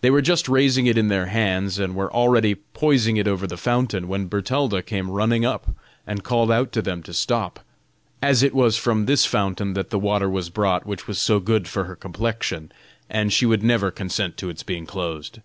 They were just raising it in their hands, and were already poising it over the fountain, when Bertalda came running up, and called out to them to stop, as it was from this fountain that the water was brought which was so good for her complexion, and she would never consent to its being closed.